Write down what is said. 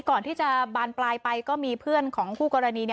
ก่อนที่จะบานปลายไปก็มีเพื่อนของคู่กรณี